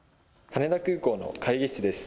羽田空港の会議室です。